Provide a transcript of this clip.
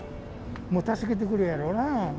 もう助けてくれやろうな。